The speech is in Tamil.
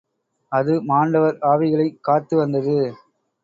அது மாண்டவர் ஆவிகளைக் காத்து வந்தது.